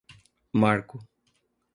Marco